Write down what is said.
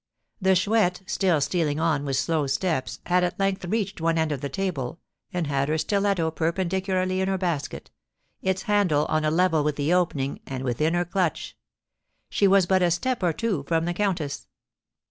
The Chouette, still stealing on with slow steps, had at length reached one end of the table, and had her stiletto perpendicularly in her basket, its handle on a level with the opening, and within her clutch. She was but a step or two from the countess.